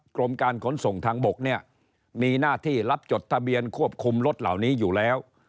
กรมการขนส่งทางบกเนี่ยมีหน้าที่รับจดทะเบียนควบคุมรถเหล่านี้อยู่แล้ว